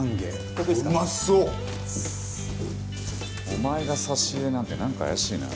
お前が差し入れなんてなんか怪しいな。